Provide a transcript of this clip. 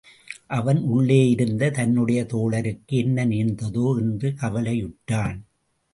அவன் உள்ளேயிருந்த தன்னுடைய தோழருக்கு என்ன நேர்ந்ததோ என்று கவலையுற்றான்.